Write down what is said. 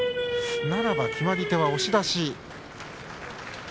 ならば決まり手は押し出し。